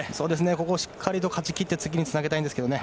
ここをしっかり勝ち切って次につなげたいんですけどね。